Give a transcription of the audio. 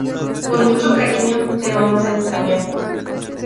Con mucho cariño, te vamos a extrañar".